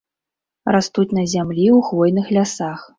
Растуць на зямлі ў хвойных лясах.